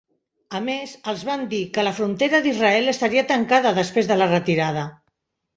A més, els van dir que la frontera d'Israel estaria tancada després de la retirada.